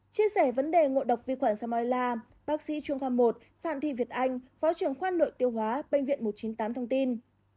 chia sẻ vấn đề ngộ độc vi khuẩn samola bác sĩ trung khoa một phạm thị việt anh phó trưởng khoa nội tiêu hóa bệnh viện một trăm chín mươi tám thông tin